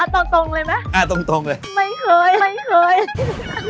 อ่ะตรงเลยมั้ยอ่ะตรงเลยไม่เคย